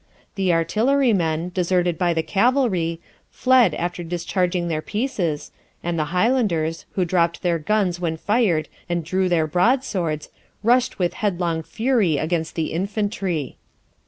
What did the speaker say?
The artillery men, deserted by the cavalry, fled after discharging their pieces, and the Highlanders, who dropped their guns when fired and drew their broadswords, rushed with headlong fury against the infantry.